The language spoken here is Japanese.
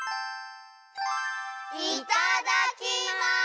いただきます！